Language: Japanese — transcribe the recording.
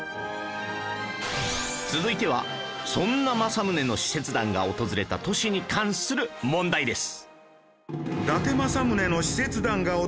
続いてはそんな政宗の使節団が訪れた都市に関する問題です